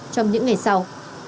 trong những ngày sau